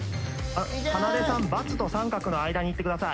かなでさん「×」と「▲」の間に行ってください。